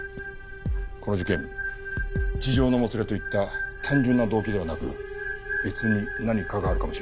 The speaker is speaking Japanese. この事件痴情のもつれといった単純な動機ではなく別に何かがあるかもしれん。